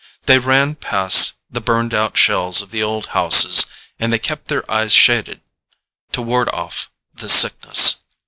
They ran past the burned out shells of the old houses and they kept their eyes shaded to ward off the Sickness.